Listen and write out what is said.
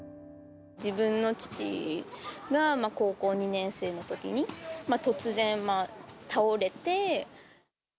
自分の父が高校２年生のときに突然倒れて。